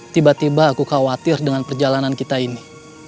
tiba tiba aku khawatir dengan perjalanan kita ini